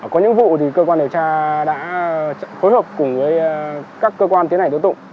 có những vụ thì cơ quan điều tra đã phối hợp cùng với các cơ quan tiến hành đối tụng